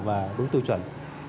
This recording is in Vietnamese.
và đúng tư chuẩn